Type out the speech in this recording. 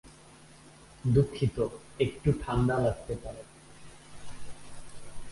দুঃখিত, একটু ঠাণ্ডা লাগতে পারে।